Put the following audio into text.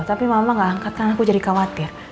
tapi mama gak angkat tangan aku jadi khawatir